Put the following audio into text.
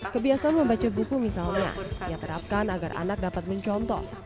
kebiasaan membaca buku misalnya ia terapkan agar anak dapat mencontoh